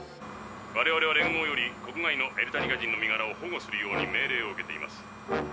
我々は連合より国外のエルタニカ人の身がらを保護するように命令を受けています。